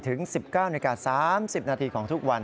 ถึง๑๙นาที๓๐นาทีของทุกวัน